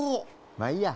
まあいいや。